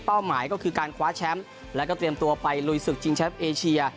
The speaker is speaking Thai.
หมายก็คือการคว้าแชมป์แล้วก็เตรียมตัวไปลุยศึกชิงแชมป์เอเชีย